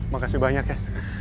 makasih banyak ya